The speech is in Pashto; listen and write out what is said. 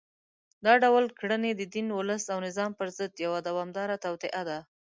دا ډول کړنې د دین، ولس او نظام پر ضد یوه دوامداره توطیه ده